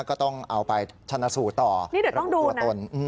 ก็ต้องเอาไปชนะสูตรต่อนี่เดี๋ยวต้องดูตัวตน